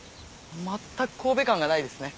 全く神戸感がないですね。